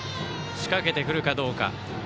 仕掛けてくるかどうか。